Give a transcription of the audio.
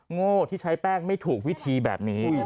โง่ที่ใช้แป้งไม่ถูกวิธีแบบนี้